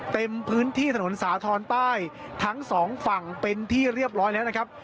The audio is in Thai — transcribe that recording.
เต็มพื้นที่ถนนสาธรณ์ใต้ทั้งสองฝั่งเป็นที่เรียบร้อยแล้วนะครับ